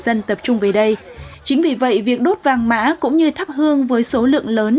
dân tập trung về đây chính vì vậy việc đốt vàng mã cũng như thắp hương với số lượng lớn